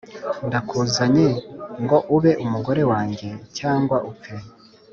Ndakuzanye ngo ube umugore wanjye cyangwa upfe